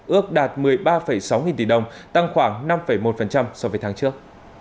ước đạt một mươi ba sáu nghìn tỷ đồng tăng khoảng năm một so với tháng trước